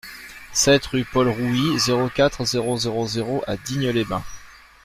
sept rue Paul Rouit, zéro quatre, zéro zéro zéro à Digne-les-Bains